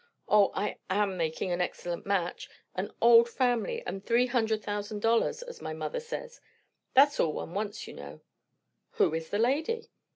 O, I am making an excellent match. 'An old family, and three hundred thousand dollars,' as my mother says. That's all one wants, you know." "Who is the lady?"